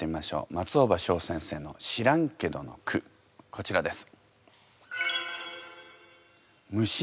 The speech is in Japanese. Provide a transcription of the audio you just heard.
松尾葉翔先生の「知らんけど」の句こちらです。